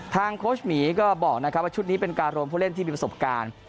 โค้ชหมีก็บอกนะครับว่าชุดนี้เป็นการรวมผู้เล่นที่มีประสบการณ์